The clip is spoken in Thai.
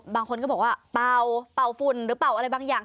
บางคนก็บอกว่าเป่าเป่าฝุ่นหรือเป่าอะไรบางอย่าง